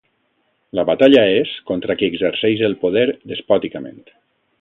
La batalla és contra qui exerceix el poder despòticament.